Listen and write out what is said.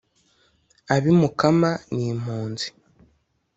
abi mukama ni mpunzi